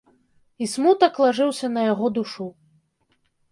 І смутак лажыўся на яго душу.